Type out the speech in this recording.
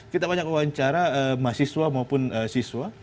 kita banyak wawancara mahasiswa maupun siswa